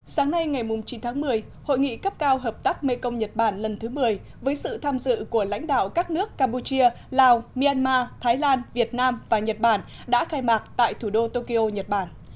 sáng nay ngày chín tháng một mươi hội nghị cấp cao hợp tác mekong nhật bản lần thứ một mươi với sự tham dự của lãnh đạo các nước campuchia lào myanmar thái lan việt nam và nhật bản đã khai mạc tại thủ đô tokyo nhật bản